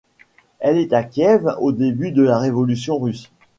Elle est à Kiev au début de la révolution russe.